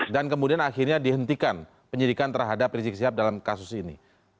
dan kemudian akhirnya dihentikan penyidikan terhadap risikosihap dalam kasus ini